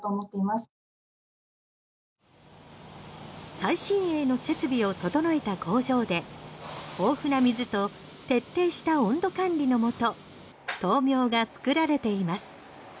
最新鋭の設備を整えた工場で豊富な水と徹底した温度管理のもと豆苗が作られています。